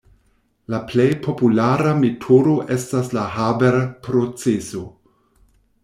La plej populara metodo estas la Haber-proceso.